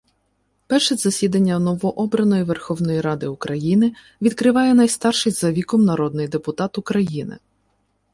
Перше засідання новообраної Верховної Ради України відкриває найстарший за віком народний депутат України.